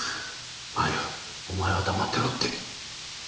麻由お前は黙ってろって。